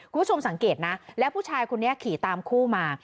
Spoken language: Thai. คุณผู้ชมสังเกตนะแล้วผู้ชายคนนี้ขี่ตามคู่มา